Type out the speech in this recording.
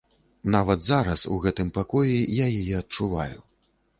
Нават зараз, у гэтым пакоі, я яе адчуваю.